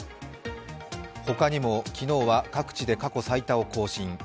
他にも昨日は各地で過去最多を更新。